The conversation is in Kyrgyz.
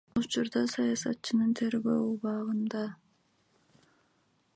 Учурда саясатчы УКМКнын тергөө абагында.